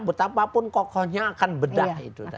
betapapun kokohnya akan bedah